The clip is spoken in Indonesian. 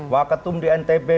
pak ketum di ntb